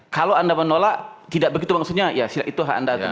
kalau anda menolak tidak begitu maksudnya ya silahkan itu hak anda